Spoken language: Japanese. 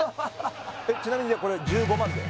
ちなみにじゃあこれ１５万で？